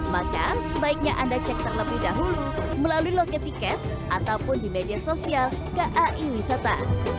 maka sebaiknya anda cek terlebih dahulu melalui loket tiket ataupun di media sosial kai wisata